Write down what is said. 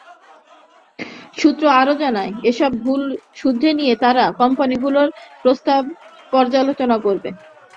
সূত্র আরও জানায়, এসব ভুল শুধরে নিয়ে তাঁরা কোম্পানিগুলোর প্রস্তাব পর্যালোচনা করছেন।